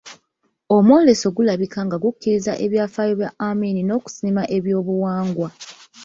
Omwoleso gulabika nga gukkiriza ebyafaayo bya Amin n'okusiima ebyobuwangwa.